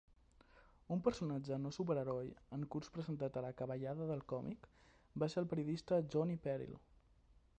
Un personatge no superheroi en curs presentat a la "Cavallada del còmic" va ser el periodista Johnny Peril.